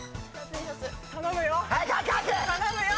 頼むよ！